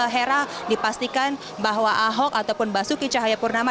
hera dipastikan bahwa ahok ataupun basuki cahaya purnama